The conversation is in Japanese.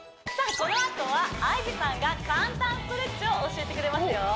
このあとはＩＧさんが簡単ストレッチを教えてくれますよ